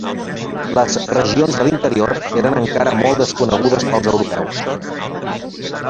Les regions de l'interior eren encara molt desconegudes pels europeus.